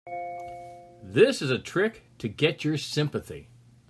This is a trick to get your sympathy.